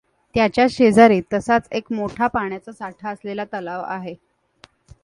त्याच्याच शेजारी तसाच एक मोठा पाण्याचा साठा असलेला तलाव आहे.